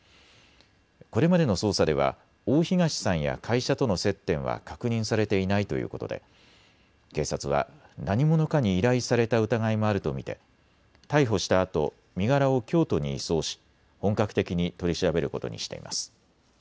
これまでの捜査では大東さんや会社との接点は確認されていないということで警察は何者かに依頼された疑いもあると見て逮捕したあと身柄を京都に移送し本格的に取り調べることにしています。